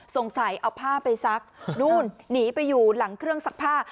สงสัยเอาผ้าไปซักนู่นหนีไปอยู่หลังเครื่องซักผ้า